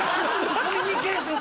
コミュニケーション